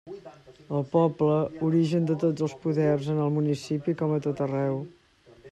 El poble, origen de tots els poders en el municipi com a tot arreu.